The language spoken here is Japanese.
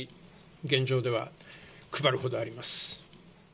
現状では配るほどあります。